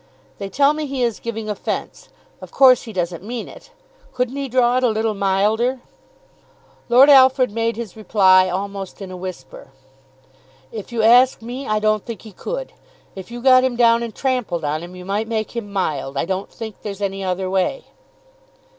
"They tell me he is giving offence. Of course he doesn't mean it. Couldn't he draw it a little milder?" Lord Alfred made his reply almost in a whisper. "If you ask me, I don't think he could. If you got him down and trampled on him, you might make him mild. I don't think there's any other way."